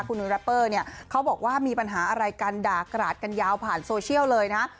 คุณแรปเปอร์เนี่ยเขาบอกว่ามีปัญหาอะไรกันด่ากราดกันยาวผ่านโซเชียลเลยนะ